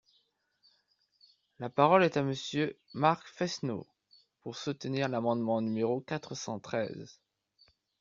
La parole est à Monsieur Marc Fesneau, pour soutenir l’amendement numéro quatre cent treize.